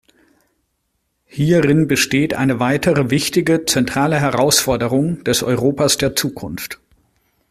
Hierin besteht eine weitere wichtige, zentrale Herausforderung des Europas der Zukunft.